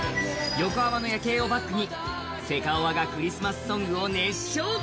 横浜の夜景をバックにセカオワがクリスマスソングを熱唱。